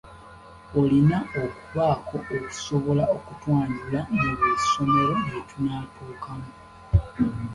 Olina okubaako kusobola okutwanjula mu buli ssomero lye tunaatuukamu.